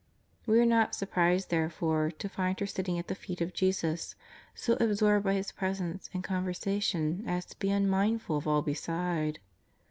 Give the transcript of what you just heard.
We are not surprised, therefore, to find her sitting at the feet of Jesus, so absorbed by His Presence and conversation as to be unmindful of all beside.